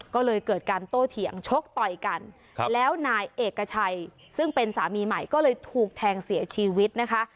ก็เลยเกิดการโต้เถียงชกต่อยกันแล้วนายเอกชัยซึ่งเป็นสามีใหม่ก็เลยถูกแทงเสียชีวิตนะคะ